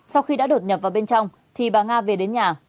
sau khi đã đột nhập vào bên trong thì bà nga về đến nhà